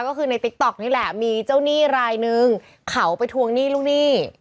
ก็คือในติ๊กต๊อกนี่แหละมีเจ้าหนี้รายนึงเขาไปทวงหนี้ลูกหนี้